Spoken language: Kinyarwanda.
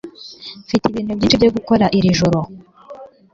Mfite ibintu byinshi byo gukora iri joro